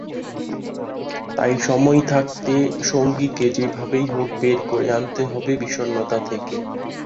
তাই সময় থাকতে সঙ্গীকে যেভাবেই হোক বের করে আনতে হবে বিষণ্নতা থেকে।